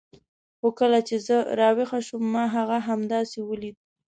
هو کله چې زه راویښه شوم ما هغه همداسې ولید.